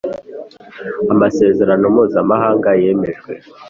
amasezerano mpuzamahanga yemejwe.